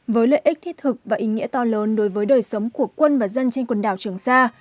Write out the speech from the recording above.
với lợi ích thiết thực và ý nghĩa to lớn đối với đời sống của quân và dân trên quần đảo trường sa